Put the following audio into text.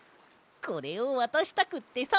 これをわたしたくってさ！